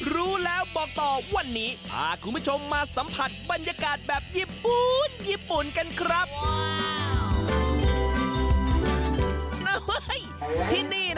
รู้แล้วบอกต่อค่ะโฮล่าบอกต่อ